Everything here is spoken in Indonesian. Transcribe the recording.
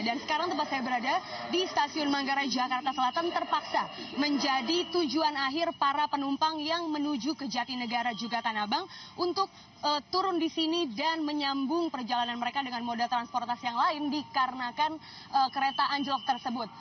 dan sekarang tempat saya berada di stasiun manggarai jakarta selatan terpaksa menjadi tujuan akhir para penumpang yang menuju ke jati negara juga tanah abang untuk turun di sini dan menyambung perjalanan mereka dengan modal transportasi yang lain dikarenakan kereta anjlok tersebut